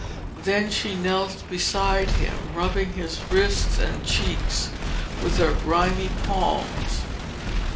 Then she knelt beside him, rubbing his wrists and cheeks with her grimy palms.